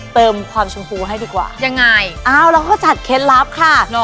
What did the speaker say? เติมความชมพูให้ดีกว่ายังไงอ้าวเราก็จัดเคล็ดลับค่ะ